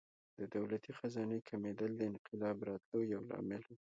د دولتي خزانې کمېدل د انقلاب راتلو یو لامل و.